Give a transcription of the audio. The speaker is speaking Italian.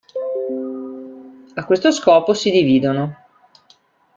A questo scopo si dividono.